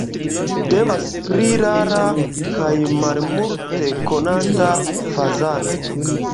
Temas pri rara kaj malmulte konata fazano.